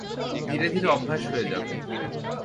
ধীরে ধীরে অভ্যাস হয়ে যাবে।